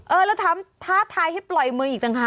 เออแล้วถามท้าทายให้ปล่อยมืออีกต่างหาก